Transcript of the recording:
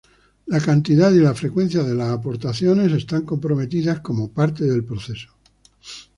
La cantidad y la frecuencia de las aportaciones están comprometidos como parte del proceso.